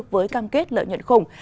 với cam kết lợi nhuận khủng